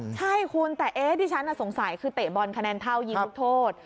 ใช่คุณแต่ที่ฉันสงสัยคือเตะบอลคะแนนเท่ายิงลูกโทษ